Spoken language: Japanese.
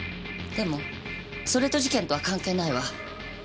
でもそれと事件とは関係ないわ。